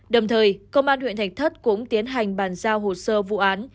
đồng thời công an huyện thạch thất cũng tiến hành bàn giao hồ sơ vụ án